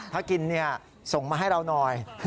ถ้ากินส่งมาให้เราหน่อย